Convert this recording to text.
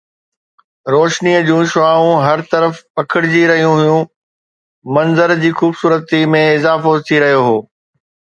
روشنيءَ جون شعاعون هر طرف پکڙجي رهيون هيون، منظر جي خوبصورتي ۾ اضافو ٿي رهيو هو